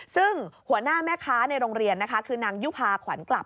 ซึ่งหัวหน้าแม่ค้าในโรงเรียนนะคะคือนางยุภาขวัญกลับ